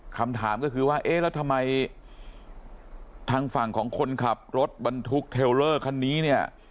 คำถามก็คือว่าเอ๊ะแล้วทำไมทางฝั่งของคนขับรถบรรทุกเทลเลอร์คันนี้เนี่ย